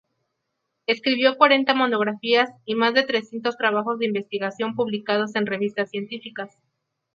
Escribió cuarenta monografías y más de trescientos trabajos de investigación publicados en revistas científicas.